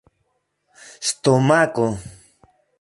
stomako